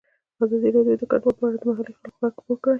ازادي راډیو د کډوال په اړه د محلي خلکو غږ خپور کړی.